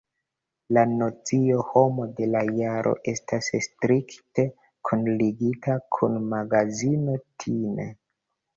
La nocio Homo de la Jaro estas strikte kunligita kun magazino Time.